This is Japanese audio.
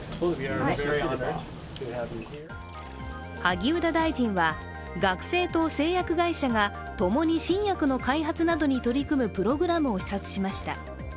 萩生田大臣は、学生と製薬会社が共に新薬の開発などに取り組むプログラムを視察しました。